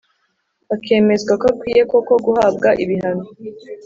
hakemezwa ko akwiye koko guhabwa ibihano